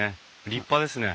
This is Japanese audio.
立派ですね。